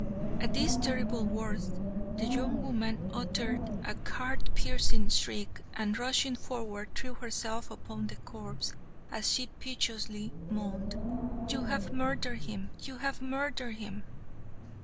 "At these terrible words, the young woman uttered a heart piercing shriek, and, rushing forward, threw herself upon the corpse, as she piteously moaned: 'You have murdered him. You have murdered him.'"